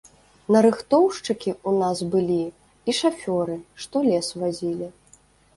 Нарыхтоўшчыкі ў нас былі і шафёры, што лес вазілі.